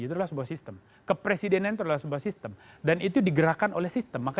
itu adalah sebuah sistem kepresidenan terlalu bahwa sistem dan itu digerakkan oleh sistem maka